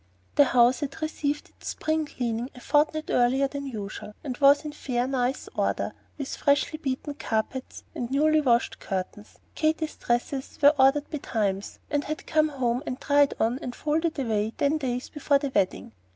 The house had received its spring cleaning a fortnight earlier than usual, and was in fair, nice order, with freshly beaten carpets and newly washed curtains. Katy's dresses were ordered betimes, and had come home, been tried on, and folded away ten days before the wedding.